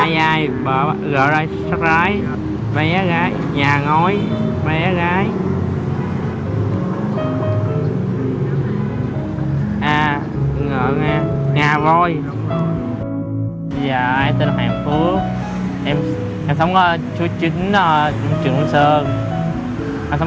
dạ tên là hoàng phước em sống ở chú chính trường nguyễn sơn